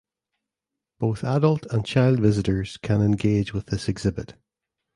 Both adult and child visitors can engage with this exhibit.